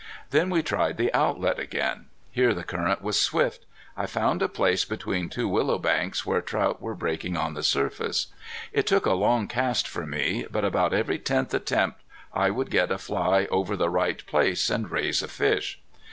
Then we tried the outlet again. Here the current was swift. I found a place between two willow banks where trout were breaking on the surface. It took a long cast for me, but about every tenth attempt I would get a fly over the right place and raise a fish.